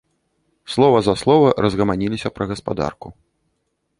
Слова за слова, разгаманіліся пра гаспадарку.